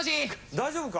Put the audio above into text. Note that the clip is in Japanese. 大丈夫か？